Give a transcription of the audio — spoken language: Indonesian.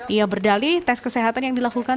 ia berdali tes kesehatan yang dilakukan